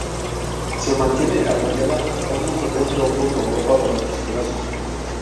Se mantiene apoyada al fondo sobre un tronco con ropa bajo sus brazos.